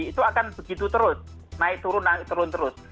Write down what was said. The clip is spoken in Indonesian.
itu akan begitu terus naik turun naik turun terus